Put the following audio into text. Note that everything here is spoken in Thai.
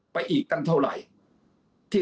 ไปอีกกันเท่าไร